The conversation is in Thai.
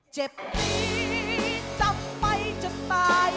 เจ็บดีจำไปจนตาย